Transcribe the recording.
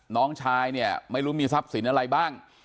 น้องชายเนี่ยไม่รู้มีทรัพย์สินอะไรบ้าง